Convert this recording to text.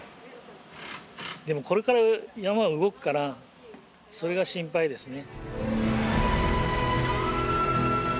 でもこれから山笠が動くからそれが心配ですね。